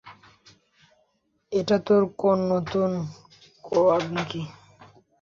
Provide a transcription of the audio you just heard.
এটা তোর কোন নতুন কোডওয়ার্ড নাকি?